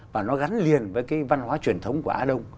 và nó gắn liền với cái văn hóa truyền thống của á đông